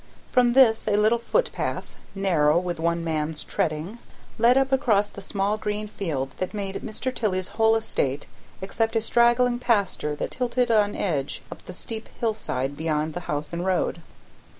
From this a little footpath, narrow with one man's treading, led up across the small green field that made Mr. Tilley's whole estate, except a straggling pasture that tilted on edge up the steep hillside beyond the house and road.